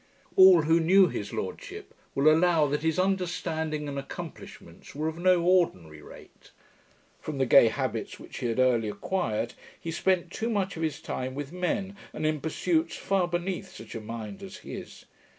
All who knew his lordship, will allow that his understanding and accomplishments were of no ordinary rate. From the gay habits which he had early acquired, he spent too much of his time with men, and in pursuits far beneath such a mind as his.